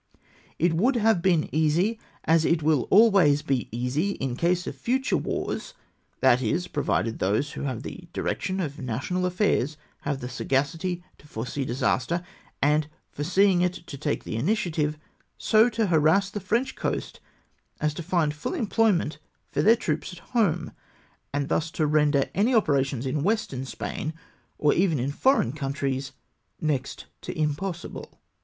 It would have been easy — as it ivill always he easy in case of future wars — that is, provided those who have the direction of national affairs have the sagacity to foresee disaster, and, foreseeing it, to take the initiative, so to harass the French coast as to find fiill employ ment for their troops at home, and thus to render any operations in Western Spain, or even in foreign coun tries, next to impossible.